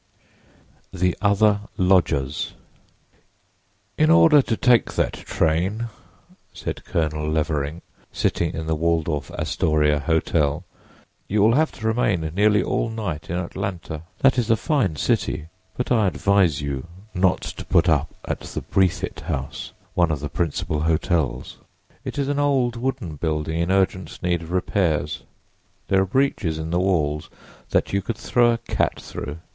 THE OTHER LODGERS "IN order to take that train," said Colonel Levering, sitting in the Waldorf Astoria hotel, "you will have to remain nearly all night in Atlanta. That is a fine city, but I advise you not to put up at the Breathitt House, one of the principal hotels. It is an old wooden building in urgent need of repairs. There are breaches in the walls that you could throw a cat through.